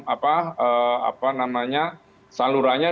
apa namanya salurannya